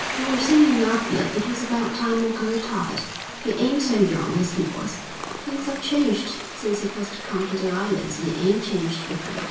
"They were saying in Apia it was about time Walker retired. He ain't so young as he was. Things have changed since he first come to the islands and he ain't changed with them."